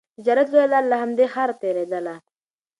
د تجارت لویه لاره له همدې ښاره تېرېدله.